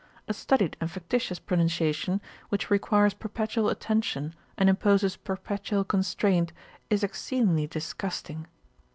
A studied and factitious pronunciation, which requires perpetual attention and imposes perpetual constraint, is exceedingly disgusting.